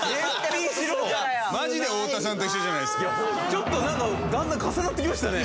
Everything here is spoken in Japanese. ちょっとなんかだんだん重なってきましたね。